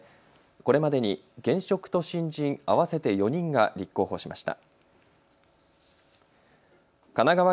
これまでに現職と新人合わせて４人が立候補しました。